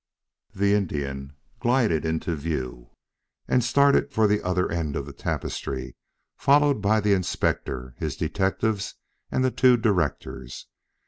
The Indian glided into view and started for the other end of the tapestry, followed by the Inspector, his detectives and the two directors.